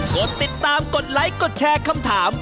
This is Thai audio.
กดติดตามกดไลค์กดแชร์คำถาม